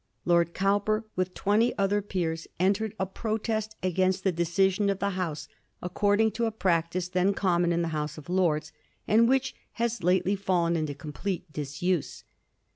Lord Cowper, with twenty other peers entered a protest against the decision of the House, according to a practice then common in the House of Lords, and which has lately fallen into complete disuse.